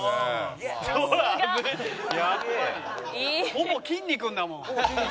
ほぼきんに君だもん。